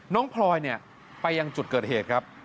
พลอยไปยังจุดเกิดเหตุครับ